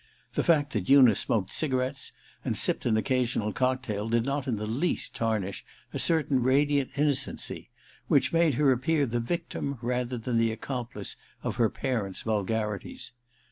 The fact that Una smoked cigarettes and sipped an occasional 200 THE RECKONING r cocktul did not in the least tarnish a certain radiant innocency which made her appear the victim, rather than the accomplice, of her parents* vulgarities.